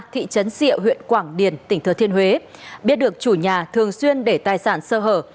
thị trấn diệu huyện quảng điền tỉnh thừa thiên huế biết được chủ nhà thường xuyên để tài sản sơ hở